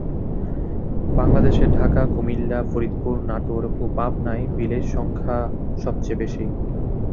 বাংলাদেশের ঢাকা, কুমিল্লা, ফরিদপুর, নাটোর ও পাবনায় বিলের সংখ্যা সবচেয়ে বেশি।